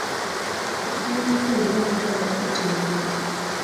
Gin jopuonjre adi mane otim penj.